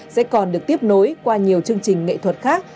sẽ còn được tiếp nối qua nhiều chương trình nghệ thuật khác